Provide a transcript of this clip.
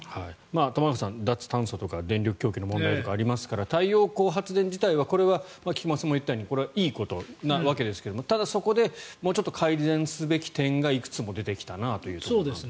玉川さん、脱炭素か電力供給とかありますが太陽光発電自体はこれは菊間さんも言ったようにこれはいいことなわけですがただ、そこでもうちょっと改善すべき点がいくつも出てきたなと。